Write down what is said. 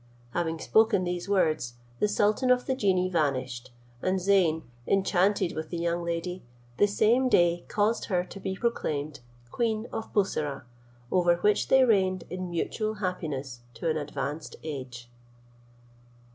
Having spoken these words, the sultan of the genii vanished, and Zeyn, enchanted with the young lady, the same day caused her to be proclaimed queen of Bussorah, over which they reigned in mutual happiness to an advanced age.